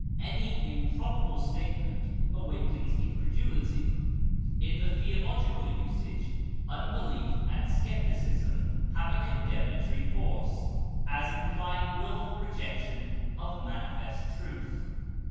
Any improbable statement awakens incredulity. In theological usage unbelief and skepticism have a condemnatory force, as implying wilful rejection of manifest truth.